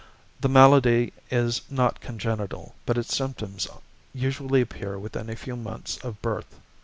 The malady is not congenital, but its symptoms usually appear within a few months of birth.